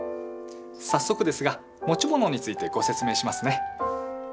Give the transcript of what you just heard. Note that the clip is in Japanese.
早速ですが持ち物についてご説明しますね。